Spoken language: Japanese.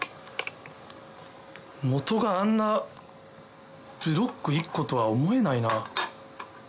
もとがあんなブロック１個とは思えないな。